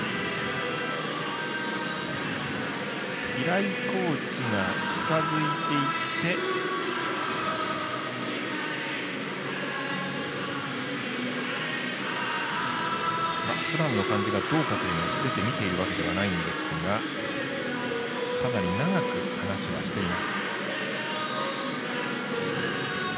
平井コーチが近づいていって。ふだんの感じがどうかというのをすべて見ているというわけではないんですがかなり長く話はしています。